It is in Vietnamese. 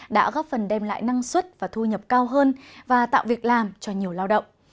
đã góp phần đem lại năng suất và thu nhập cao hơn và tạo việc làm cho nhiều lao động